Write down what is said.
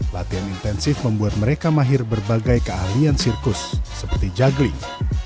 latihan intensif membuat mereka mahir berbagai keahlian sirkus seperti juggling